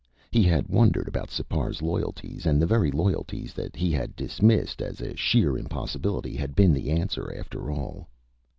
He had wondered about Sipar's loyalties, and the very loyalties that he had dismissed as a sheer impossibility had been the answer, after all.